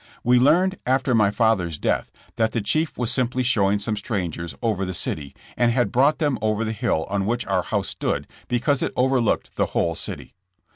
We learned after my father's death that the chief was simply showing some strangers over the city, and had brought them over the hill on which our house stood, because it overlooked the whole city.